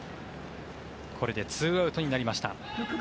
これで２アウトになりました。